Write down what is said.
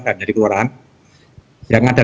menjadi kalurahan yang ada